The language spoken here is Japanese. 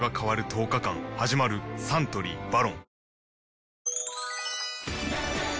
サントリー「ＶＡＲＯＮ」